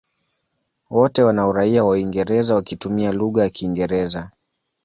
Wote wana uraia wa Uingereza wakitumia lugha ya Kiingereza.